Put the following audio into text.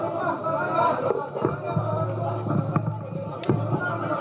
jauh jauh dari malaysia